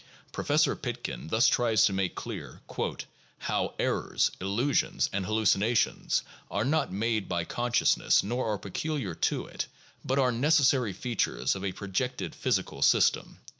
Pro fessor Pitkin thus tries to make clear "how errors, illusions, and hallucinations are not made by consciousness nor are peculiar to it, but are necessary features of a projected physical system" (p.